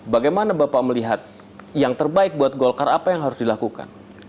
bagaimana bapak melihat yang terbaik buat golkar apa yang harus dilakukan